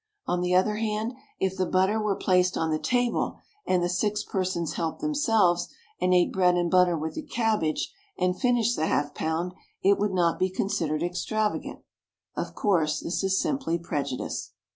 On the other hand, if the butter were placed on the table, and the six persons helped themselves, and ate bread and butter with the cabbage and finished the half pound, it would not be considered extravagant. Of course, this is simply prejudice.